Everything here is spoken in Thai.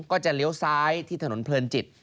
ก็จะเลี้ยวซ้ายที่ถนนเพลินจิต